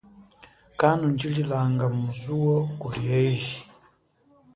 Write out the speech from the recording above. Kanundjililanga mu zuwo kuli eji.